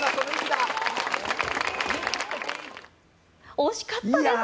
惜しかったですね。